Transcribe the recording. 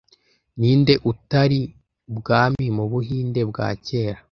Ninde utari ubwami mubuhinde bwa kera